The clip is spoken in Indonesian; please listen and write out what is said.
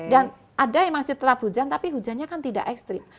dan ada yang masih tetap hujan tapi hujannya kan tidak ekstrik